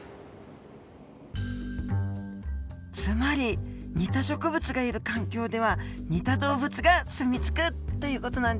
つまり似た植物がいる環境では似た動物が住み着くという事なんですね。